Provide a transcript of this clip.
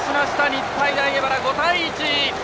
日体大荏原、５対１。